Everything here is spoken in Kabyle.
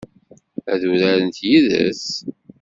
Ad urarent yid-s?